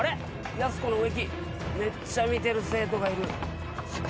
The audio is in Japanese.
やす子の植木めっちゃ見てる生徒がいる。